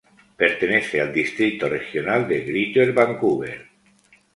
Pertenece al Distrito Regional de Greater Vancouver.